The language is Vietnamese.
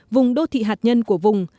vùng đô thị hạt nhân của vùng